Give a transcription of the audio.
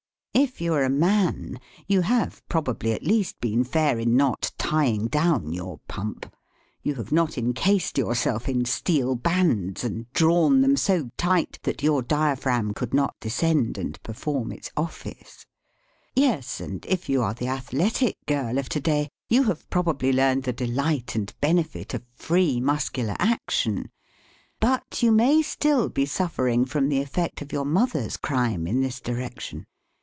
If you are a man, you have probably at least been fair in not tying down your pump ; you have not encased yourself in steel bands and drawn them so tight that your diaphragm could not descend and perform its office. Yes, and if you are the athletic girl of to day, you have probably learned the delight and 6 LEARNING TO SUPPORT THE TONE benefit of free muscular action. But you may still be suffering from the effect of your mother's crime in this direction.